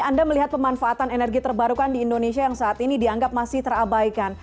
anda melihat pemanfaatan energi terbarukan di indonesia yang saat ini dianggap masih terabaikan